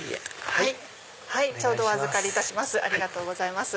ちょうどお預かりいたします